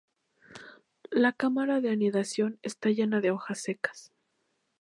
La cámara de anidación está llena de hojas secas.